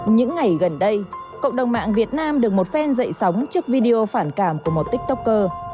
những ngày gần đây cộng đồng mạng việt nam được một phen dậy sóng trước video phản cảm của một tiktoker